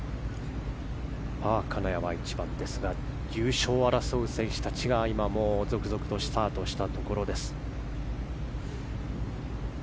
金谷は１番ですが優勝を争う選手たちが今、続々とスタートしたところです。